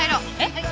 はい。